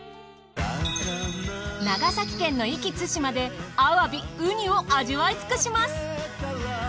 長崎県の壱岐・対馬で鮑うにを味わいつくします。